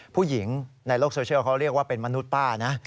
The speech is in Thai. ผู้หญิงในโลกโซเชียลเขาเรียกว่าเป็นมนุษย์ป้านะ